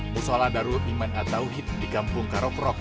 musola darul iman attauhid di kampung karoprok